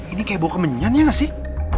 ini kayak buah kemenyan ya ga sih